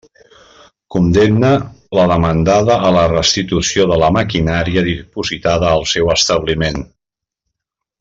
Condemne la demandada a la restitució de la maquinària dipositada al seu establiment.